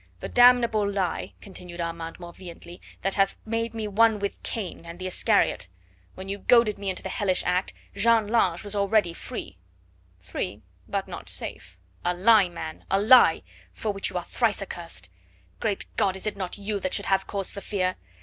"The damnable lie," continued Armand more vehemently, "that hath made me one with Cain and the Iscariot. When you goaded me into the hellish act, Jeanne Lange was already free." "Free but not safe." "A lie, man! A lie! For which you are thrice accursed. Great God, is it not you that should have cause for fear?